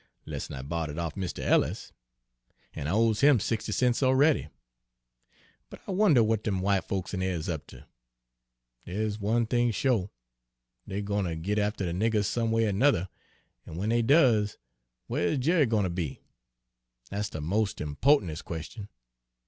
'less'n I borried it offn Mr. Ellis, an' I owes him sixty cents a'ready. But I wonduh w'at dem w'ite folks in dere is up ter? Dere's one thing sho', dey're gwine ter git after de niggers some way er 'nuther, an' w'en dey does, whar is Jerry gwine ter be? Dat's de mos' impo'tantes' question.